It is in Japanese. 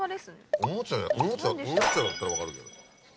おもちゃだったら分かるけど。